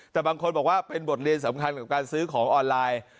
แต่บางคนบอกว่าเป็นบทเรียนสำคัญกับการซื้อของออนไลน์